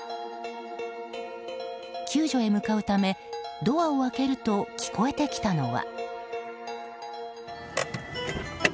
救助へ向かうためドアを開けると聞こえてきたのは。